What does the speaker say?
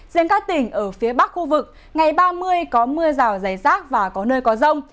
riêng các tỉnh ở phía bắc khu vực ngày ba mươi có mưa rào dày rác và có nơi có rông